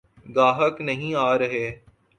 گاہک نہیں آرہے۔